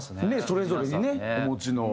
それぞれにねお持ちの。